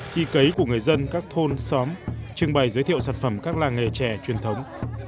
khi cấy của người dân các thôn xóm trưng bày giới thiệu sản phẩm các làng nghề chè truyền thống